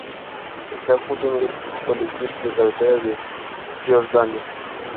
Está junto a uno de los principales cruces de carretera de Cisjordania.